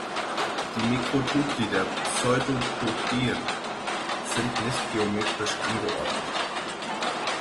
Die Mikrotubuli der Pseudopodien sind nicht geometrisch angeordnet.